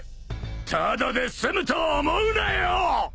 ただで済むと思うなよ！